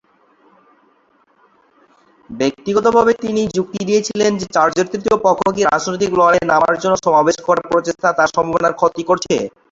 ব্যক্তিগতভাবে তিনি যুক্তি দিয়েছিলেন যে চার্চের তৃতীয় পক্ষকে রাজনৈতিক লড়াইয়ে নামার জন্য সমাবেশ করার প্রচেষ্টা তার সম্ভাবনার ক্ষতি করছে।